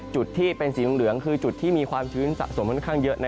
จุดที่เป็นสีเหลืองคือจุดที่มีความชื้นสะสมค่อนข้างเยอะ